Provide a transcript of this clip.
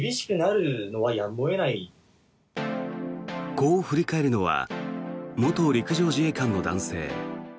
こう振り返るのは元陸上自衛官の男性。